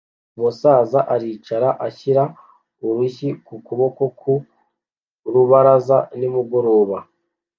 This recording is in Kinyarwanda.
Umusaza aricara ashyira urushyi ku kuboko ku rubaraza nimugoroba